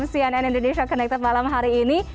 cnn indonesia connected malam hari ini